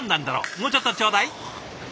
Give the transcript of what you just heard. もうちょっとちょうだい。